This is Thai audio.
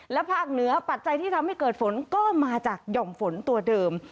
และภาคเหนือปัจจัยที่ทำให้เกิดฝนก็มาจากหย่อมฝนตัวเดิม